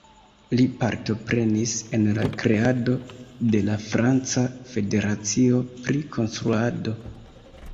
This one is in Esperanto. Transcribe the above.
Li partoprenis en la kreado de la franca Federacio pri Konstruado.